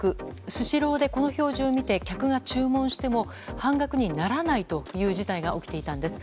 スシローでこの表示を見て客が注文しても半額にならないという事態が起きていたんです。